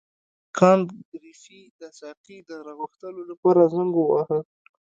کانت ګریفي د ساقي د راغوښتلو لپاره زنګ وواهه.